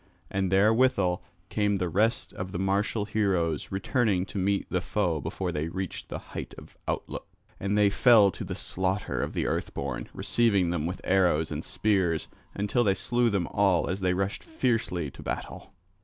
And therewithal came the rest of the martial heroes returning to meet the foe before they reached the height of outlook, and they fell to the slaughter of the Earthborn, receiving them with arrows and spears until they slew them all as they rushed fiercely to battle.